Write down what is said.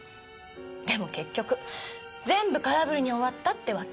でも結局全部空振りに終わったってわけ。